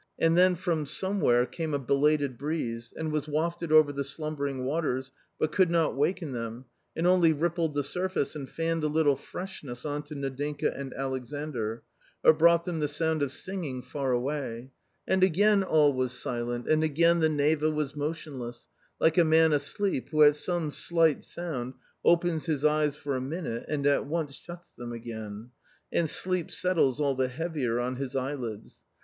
And then from somewhere came a belated breeze, and was wafted over the slumbering waters but could not waken them, and only rippled the surface and fanned a little freshness on to Nadinka and Alexandr, or brought them the sound of sing ing far away — and again all was silent, and again the Neva was motionless, like a man asleep who at some slight sound opens his eyes for a minute and at once shuts them again ; and sleep settles all the heavier on his eyelids.